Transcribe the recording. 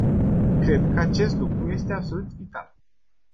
Cred că acest lucru este absolut vital.